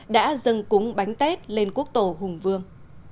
đã dâng cúng bánh tết lên quốc tổ hùng vương